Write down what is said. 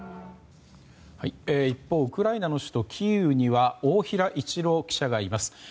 一方ウクライナの首都キーウには大平一郎記者がいます。